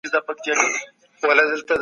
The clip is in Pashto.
په دغه غونډې کي د عمر فاروق ذکر وسو.